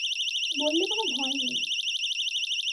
বললে কোনো ভয় নেই।